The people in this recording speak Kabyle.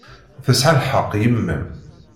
Tesɛa lḥeqq yemma-m.